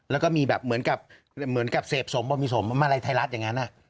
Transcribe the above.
แล้วก็มีแบบเหมือนกับเสพสมบ่มิสมมาลัยไทรรัศน์อย่างนั้นอ่ะ